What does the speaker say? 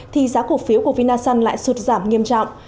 thì giá cổ phiếu của vinasun lại sụt giảm nghiêm trọng